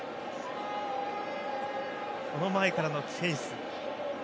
前からのチェイス。